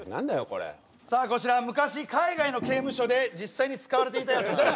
これさあこちら昔海外の刑務所で実際に使われていたやつです